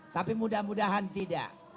tapi mudah mudahan tidak